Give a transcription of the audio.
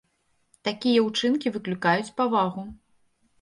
Такія ўчынкі выклікаюць павагу.